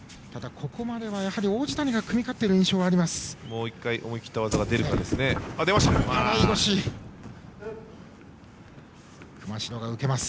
ここまでは王子谷が組み勝っている印象があります。